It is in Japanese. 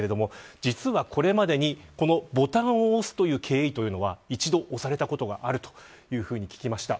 実は、これまでにボタンを押すという経緯というのは一度押されたことがあるというふうに聞きました。